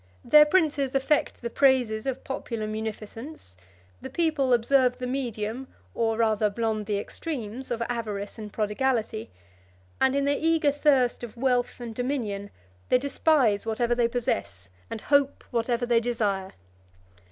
Their princes affect the praises of popular munificence; the people observe the medium, or rather blond the extremes, of avarice and prodigality; and in their eager thirst of wealth and dominion, they despise whatever they possess, and hope whatever they desire.